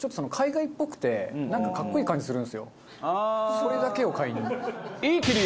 それだけを買いに。